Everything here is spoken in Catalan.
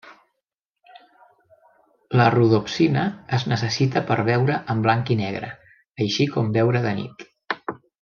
La rodopsina es necessita per veure en blanc i negre, així com veure de nit.